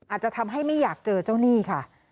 อาจจะทำให้ไม่อยากเจอเจ้าหนี้ค่ะ